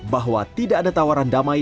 bahwa tidak ada tawaran damai